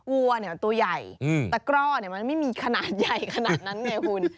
วัวเนี่ยมันตัวใหญ่ตะกร่อมันไม่มีขนาดใหญ่ขนาดนั้นไงคุณ